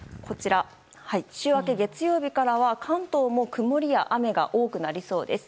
週明け月曜日からは関東も曇りや雨が多くなりそうです。